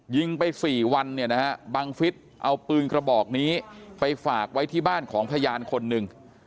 ยิงไป๔วันเนี่ยนะฮะบังฟิศเอาปืนกระบอกนี้ไปฝากไว้ที่บ้านของพยานคนหนึ่ง